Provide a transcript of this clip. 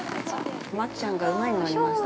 ◆真希ちゃんが馬に乗りました。